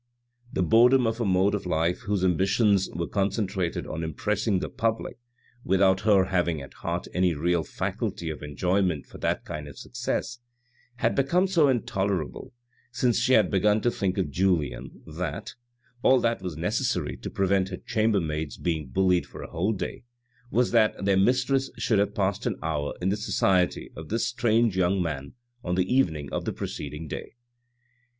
The boredom of a mode of life whose ambitions were concentrated on impressing the public without her having at heart any real faculty of enjoy ment for that kind of success, had become so intolerable since she had begun to think of Julien that, all that was necessary to prevent her chambermaids being bullied for a whole day, was that their mistress should have passed an hour in the society of this strange young man on the evening of the preceding day.